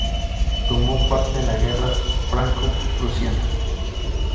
Tomó parte en la Guerra Franco-Prusiana.